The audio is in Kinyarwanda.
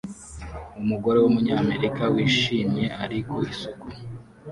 Umugore wumunyamerika wishimye ari ku isoko